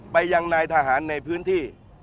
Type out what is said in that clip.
ไปยังนายทหารในพื้นที่